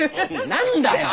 何だよ！